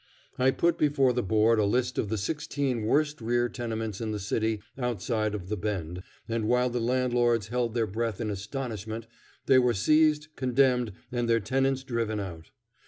I put before the Board a list of the sixteen worst rear tenements in the city outside of the Bend, and while the landlords held their breath in astonishment, they were seized, condemned, and their tenants driven out.